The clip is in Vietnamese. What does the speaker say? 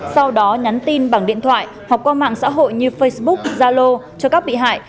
sau đó nhắn tin bằng điện thoại hoặc qua mạng xã hội như facebook zalo cho các bị hại